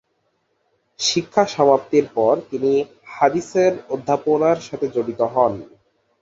শিক্ষা সমাপ্তির পর তিনি হাদিসের অধ্যাপনার সাথে জড়িত হন।